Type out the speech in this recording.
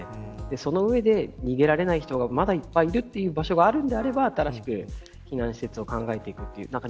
その上で、逃げられない人がまだいっぱいいるという場所があるのであれば新しく避難施設を考えていくという。